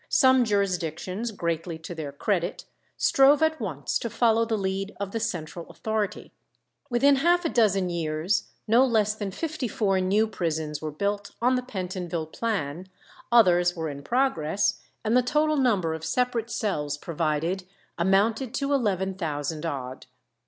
Some jurisdictions, greatly to their credit, strove at once to follow the lead of the central authority. Within half a dozen years no less than fifty four new prisons were built on the Pentonville plan, others were in progress, and the total number of separate cells provided amounted to eleven thousand odd.